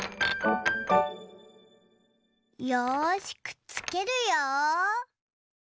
よしくっつけるよ。